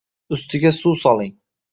Ustiga suv soling